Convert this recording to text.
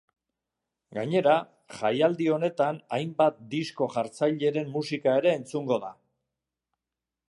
Gainera, jaialdi honetan hainbat disko jartzaileren musika ere entzungo da.